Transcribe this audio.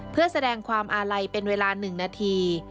เพื่อแสดงความอาลัยเป็นเวลา๑นาที